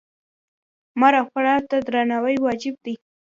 مور او پلار ته درناوی واجب دی